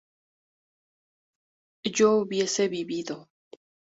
¿yo hubiese vivido?